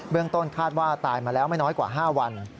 ต้นคาดว่าตายมาแล้วไม่น้อยกว่า๕วัน